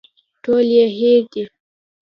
ټول يې هېر دي.